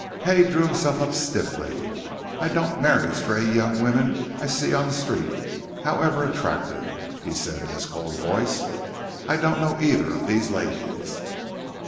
Hay drew himself up stiffly. "I don't marry stray young women I see on the street, however attractive," he said in his cold voice. "I don't know either of these ladies."